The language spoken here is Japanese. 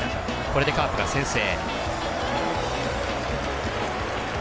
これでカープが先制。